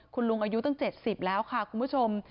คุณลุงอายุตั้ง๗๐แล้วค่ะคุณผู้ชม